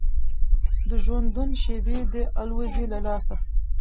د ژوندون شېبې دي الوزي له لاسه